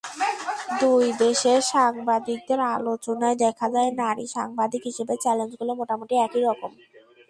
দুই দেশের সাংবাদিকদের আলোচনায় দেখা যায়, নারী সাংবাদিক হিসেবে চ্যালেঞ্জগুলো মোটামুটি একই রকম।